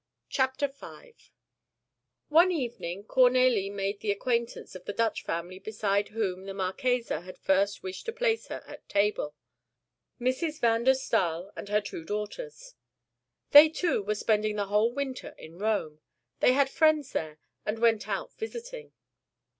CHAPTER V One evening Cornélie made the acquaintance of the Dutch family beside whom the Marchesa had first wished to place her at table: Mrs. van der Staal and her two daughters. They too were spending the whole winter in Rome: they had friends there and went out visiting.